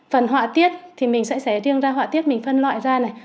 phần họa tiết thì mình sẽ xé riêng ra họa tiết mình phân loại ra này